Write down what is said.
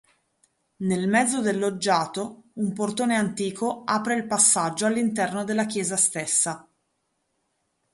Nel mezzo del loggiato un portone antico apre il passaggio all'interno della chiesa stessa.